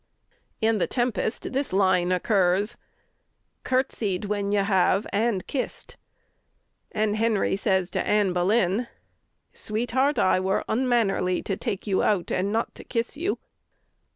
In the "Tempest" this line occurs: Curtsied when you have and kissed. And Henry says to Anne Boleyn: Sweetheart, I were unmannerly to take you out, And not to kiss you.